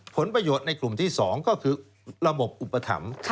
ผลประโยชน์ในกลุ่มที่๒ก็คือระบบอุปถัมภ์